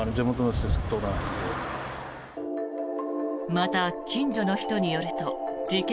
また、近所の人によると事件